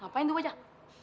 ngapain tuh bocah